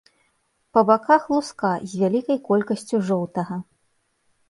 Па баках луска з вялікай колькасцю жоўтага.